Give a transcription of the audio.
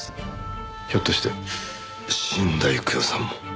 ひょっとして死んだ幾代さんも。